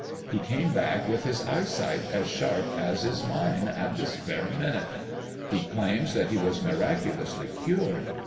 He came back with his eyesight as sharp as is mine at this very minute. He claims that he was miraculously cured.